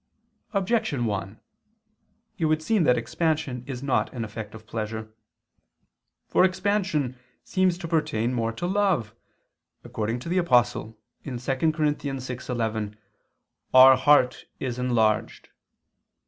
Objection 1: It would seem that expansion is not an effect of pleasure. For expansion seems to pertain more to love, according to the Apostle (2 Cor. 6:11): "Our heart is enlarged."